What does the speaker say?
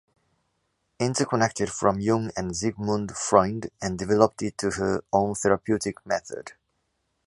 Interconnected from Jung and Sigmund Freund and developed it to her own therapeutic method.